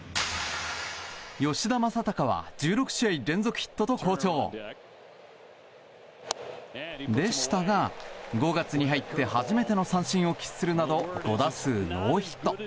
吉田正尚は１６試合連続ヒットと好調！でしたが、５月に入って初めての三振を喫するなど５打数ノーヒット。